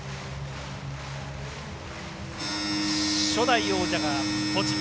初代王者が栃木。